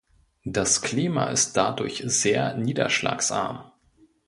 Das Klima ist dadurch sehr niederschlagsarm.